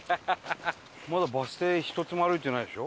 まだバス停１つも歩いてないでしょ？